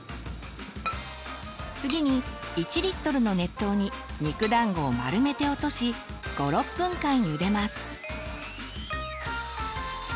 次に１リットルの熱湯に肉だんごを丸めて落とし５６分間ゆでます。